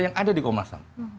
yang ada di komnas ham